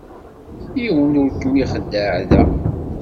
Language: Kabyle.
Yiwen ur kem-ixeddeɛ da.